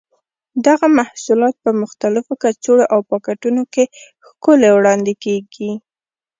دغه محصولات په مختلفو کڅوړو او پاکټونو کې ښکلي وړاندې کېږي.